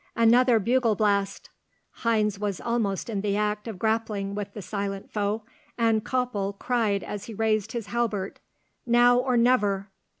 Another bugle blast! Heinz was almost in the act of grappling with the silent foe, and Koppel cried as he raised his halbert, "Now or never!"